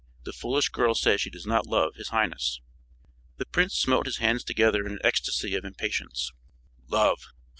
The foolish girl says she does not love his highness." The prince smote his hands together in an ecstasy of impatience. "Love!